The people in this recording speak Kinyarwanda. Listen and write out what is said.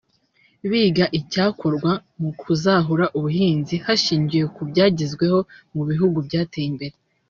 biga icyakorwa mu kuzahura ubuhinzi hashingiwe ku byagezweho mu bihugu byateye imbere